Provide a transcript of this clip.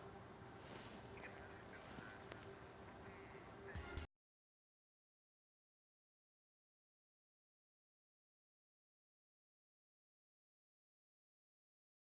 satya berita terkini mengenai cuaca ekstrem dua ribu dua puluh satu di indonesia